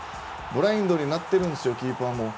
ブラインドになってるんですよキーパーも。